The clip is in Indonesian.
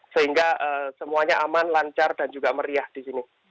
sehingga semuanya aman lancar dan juga meriah di sini